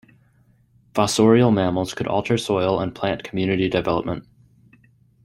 Fossorial mammals could alter soil and plant community development.